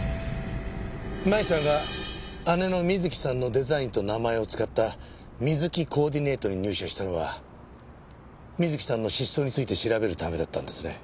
麻衣さんが姉の瑞希さんのデザインと名前を使ったＭＩＺＵＫＩコーディネートに入社したのは瑞希さんの失踪について調べるためだったんですね？